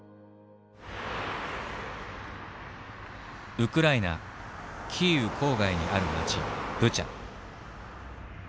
ウクライナ・キーウ郊外にある町ブチャ。